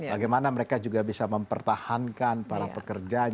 bagaimana mereka juga bisa mempertahankan para pekerjanya